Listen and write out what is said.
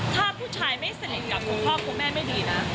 ถ้าผู้ชายไม่สนิทกับคุณพ่อคุณแม่ไม่ดีนะ